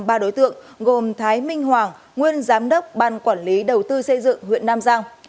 ba đối tượng gồm thái minh hoàng nguyên giám đốc ban quản lý đầu tư xây dựng huyện nam giang